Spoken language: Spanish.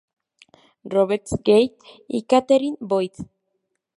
Robert Gage y Catherine Boyd.